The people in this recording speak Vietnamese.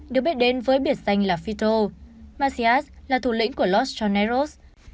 được biết đến với biệt danh là fito macias là thủ lĩnh của los choneiros